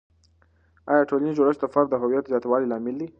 آیا ټولنیز جوړښت د فرد د هویت زیاتوالي لامل دی؟